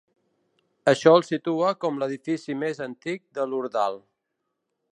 Això el situa com l'edifici més antic de l'Ordal.